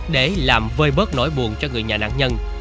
để làm vơi bớt nỗi buồn cho người nhà nạn nhân